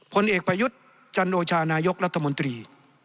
ผลเอกประยุทธ์จันโอชานายกรัฐมนตรี